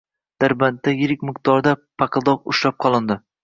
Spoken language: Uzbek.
"Darband"da yirik miqdordagi paqildoq ushlab qolindi